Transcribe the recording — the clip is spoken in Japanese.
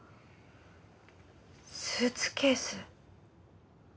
スーツケース。